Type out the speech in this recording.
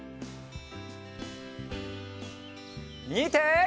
みて！